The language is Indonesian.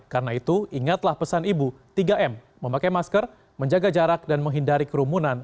karena itu ingatlah pesan ibu tiga m memakai masker menjaga jarak dan menghindari kerumunan